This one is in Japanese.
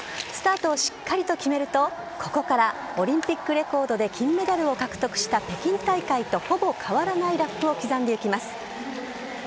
スタートをしっかりと決めると、ここからオリンピックレコードで金メダルを獲得した北京大会とほぼ変わらないラップを刻んでいきます。